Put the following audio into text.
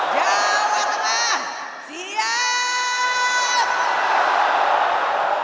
jawa tengah siap